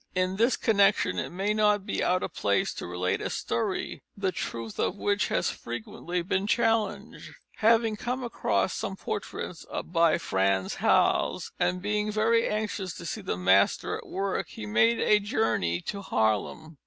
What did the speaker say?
In this connection it may not be out of place to relate a story, the truth of which has frequently been challenged. Having come across some portraits by Franz Hals, and being very anxious to see the master at work, he made a journey to Haarlem.